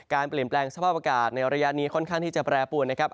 เปลี่ยนแปลงสภาพอากาศในระยะนี้ค่อนข้างที่จะแปรปวนนะครับ